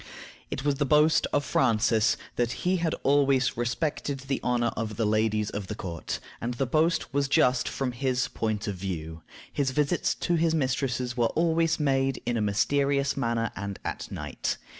It was the boast of Francis that he had always respected the honor of the ladies of the court, and the boast was just, from his point of view. His visits to his mistresses were always made in a mysterious manner, and at night.